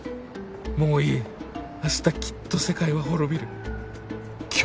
もういい明日きっと世界は滅びる。